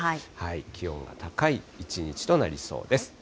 気温が高い一日となりそうです。